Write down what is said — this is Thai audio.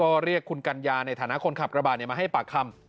ก็เรียกคุณกัญญาในฐานะคนขับกระบาดมาให้ปากคำ